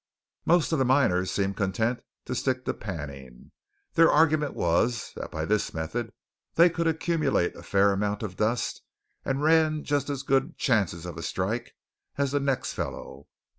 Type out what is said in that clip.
Most of the miners seemed content to stick to panning. Their argument was that by this method they could accumulate a fair amount of dust, and ran just as good chances of a "strike" as the next fellow.